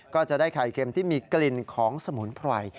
ก็จะได้ไข่เค็มที่มีกลิ่นของสมุนไพร